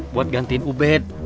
buat gantiin ubet